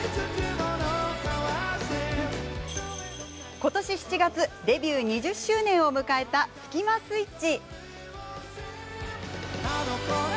今年７月デビュー２０周年を迎えたスキマスイッチ。